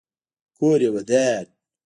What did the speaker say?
کور یې ودان.